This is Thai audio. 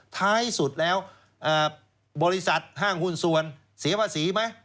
ท้ายสุดแล้วบริษัทห้างหุ้นส่วนเสียภาษีไหม